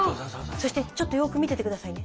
そしてちょっとよく見てて下さいね。